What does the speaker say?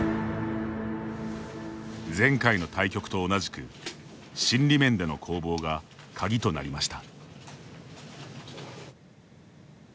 前回の対局と同じく心理面での攻防が鍵となりました。